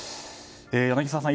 柳澤さん